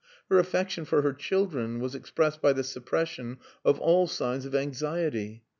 Her affection for her children was expressed by the suppression of all signs of anxiety.